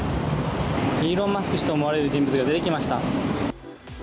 イーロン・マスク氏と思われる人物が出てきました。